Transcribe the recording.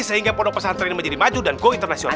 sehingga pondok pesantren menjadi maju dan go internasional